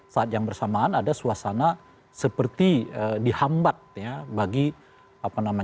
saat yang bersamaan ada suasana seperti dihambat bagi lonjakan